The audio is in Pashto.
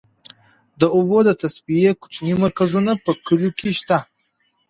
د اوبو د تصفیې کوچني مرکزونه په کليو کې شته.